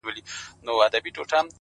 د ميني كرښه د رحمت اوبو لاښه تازه كړه.!